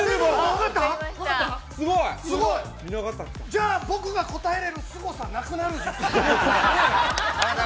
◆じゃあ僕が答えれるすごさなくなる。